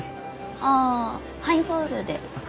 ああハイボールで。